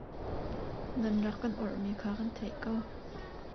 Nan rak kan orhmi kha kan theih ko.